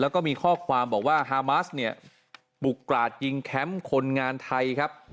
แล้วก็มีข้อความบอกว่าฮามาสเนี่ยบุกกราดยิงแคมป์คนงานไทยครับ